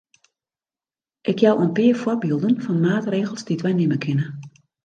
Ik jou in pear foarbylden fan maatregels dy't wy nimme kinne.